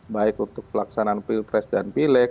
baik untuk pelaksanaan pilpres dan pileg